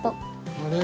あれ？